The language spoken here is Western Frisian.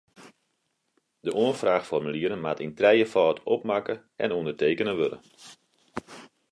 De oanfraachformulieren moatte yn trijefâld opmakke en ûndertekene wurde.